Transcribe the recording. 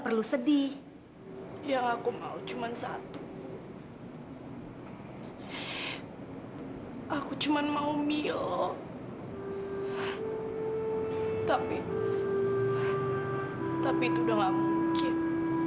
perlu sedih yang aku mau cuman satu aku cuman mau milo tapi tapi itu udah nggak mungkin